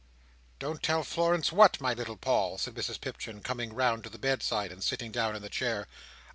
"Don't tell Florence what, my little Paul?" said Mrs Pipchin, coming round to the bedside, and sitting down in the chair.